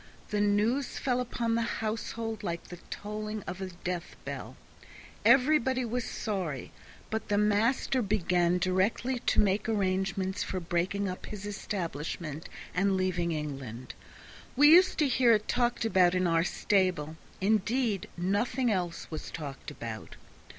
The news fell upon the household like the tolling of a deathbell. Everybody was sorry; but the master began directly to make arrangements for breaking up his establishment and leaving England. We used to hear it talked about in our stable; indeed, nothing else was talked about.